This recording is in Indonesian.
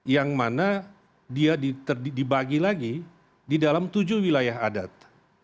yang mana dia dibagi lagi di dalam tujuh wilayah adat